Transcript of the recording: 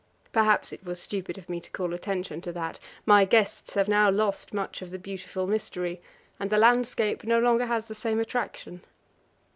Perhaps it was stupid of me to call attention to that; my guests have now lost much of the beautiful mystery, and the landscape no longer has the same attraction.